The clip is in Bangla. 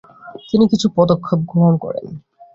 তিনি কিছু পদক্ষেপ গ্রহণ করেন।